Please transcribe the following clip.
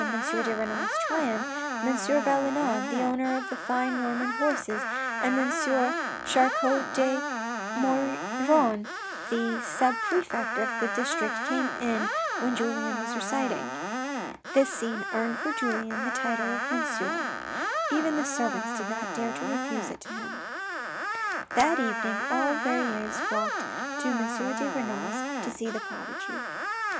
de Renal's triumph, M. Valenod, the owner of the fine Norman horses, and M. Char cot de Maugiron, the sub prefect of the district came in when Julien was reciting. This scene earned for Julien the title of Monsieur ; even tht servants did not dare to refuse it to him. That evening all Verrieres flocked to M. de Renal's to see the prodigy.